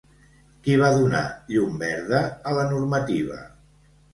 Qui va donar llum verda a la normativa?